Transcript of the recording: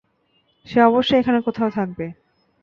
সে অবশ্যই এখানে কোথাও থাকবে।